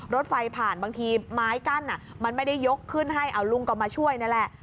รถไฟผ่านบางทีไม้กั้นมันไม่ได้ยกขึ้นให้เอาลุงก็มาช่วยนั่นแหละ